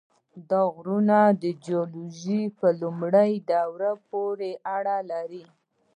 دا غرونه د جیولوژۍ په لومړۍ دورې پورې اړه لري.